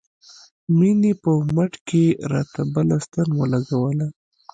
مينې په مټ کښې راته بله ستن راولګوله.